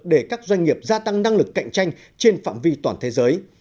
để các doanh nghiệp gia tăng năng lực cạnh tranh trên phạm vi toàn thế giới